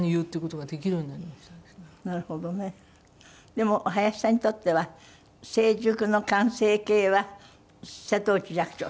でも林さんにとっては成熟の完成形は瀬戸内寂聴さん？